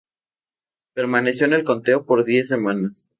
Permaneció en el conteo por diez semanas.